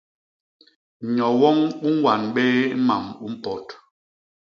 Nyo woñ u ñwan bé mam u mpot.